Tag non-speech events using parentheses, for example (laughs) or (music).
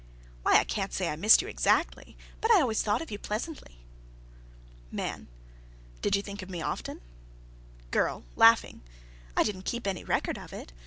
"Why, I can't say I missed you, exactly, but I always thought of you pleasantly." MAN. "Did you think of me often?" GIRL. (laughs) "I didn't keep any record of it.